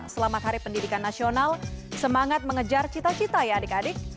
selamat hari pendidikan nasional semangat mengejar cita cita ya adik adik